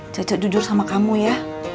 caca jujur sama kamu ya